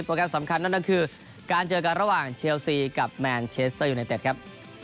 แกรมสำคัญนั่นก็คือการเจอกันระหว่างเชลซีกับแมนเชสเตอร์ยูไนเต็ดครับ